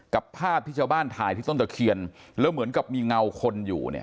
ภาพที่ชาวบ้านถ่ายที่ต้นตะเคียนแล้วเหมือนกับมีเงาคนอยู่เนี่ย